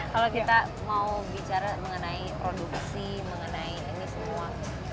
kalau kita mau bicara mengenai produksi mengenai ini semua